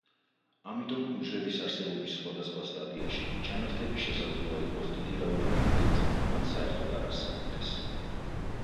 ამიტომ უჯრედის არსებობის სხვადასხვა სტადიაში ჩანართები შესაძლოა იყოს დიდი რაოდენობითაც ან საერთოდ არ არსებობდეს.